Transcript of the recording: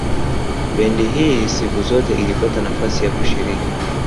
Bendi hii siku zote ilipata nafasi ya kushiriki